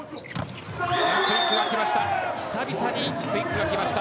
クイックがきました。